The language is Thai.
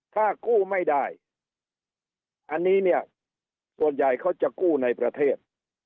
ถ้ากู้ไม่ได้อันนี้เนี่ยส่วนใหญ่เขาจะกู้ในประเทศ